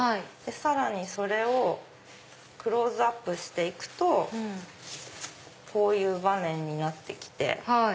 さらにそれをクローズアップして行くとこういう場面になって来て。